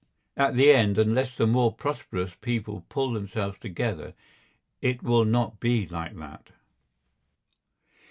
At the end unless the more prosperous people pull themselves together it will not be like that.